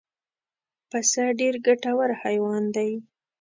پسه ډېر ګټور حیوان دی.